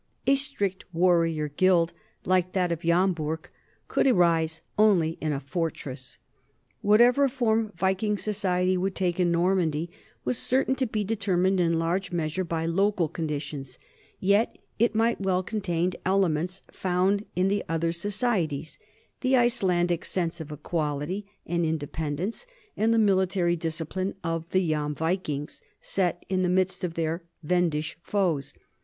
A strict warrior gild like that of Jomburg could arise only in a fortress. Whatever form Viking society would take in Normandy was certain to be determined in large measure by local conditions; yet it might well contain elements found in the other societies the Icelandic sense of equality and independence, and the military discipline of the Jomvikings set in the midst of their Wendish foes.